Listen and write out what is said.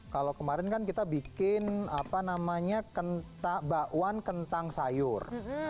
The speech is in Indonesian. kalau kemarin kan kita bikin bakwan kentang sayur